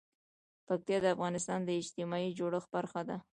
پکتیا د افغانستان د اجتماعي جوړښت برخه ده.